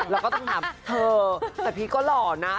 เราก็ต้องถามเธอแต่พี่ก็หล่อนะ